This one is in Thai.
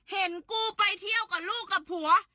เห็นกูไปเที่ยวกับลูกกับผัว